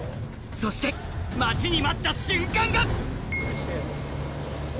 そして待ちに待った瞬間が！